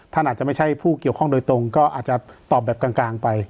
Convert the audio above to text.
ท่านอาจจะไม่ใช่ผู้เกี่ยวข้องโดยตรงก็อาจจะตอบแบบกลางไป